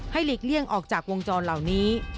หลีกเลี่ยงออกจากวงจรเหล่านี้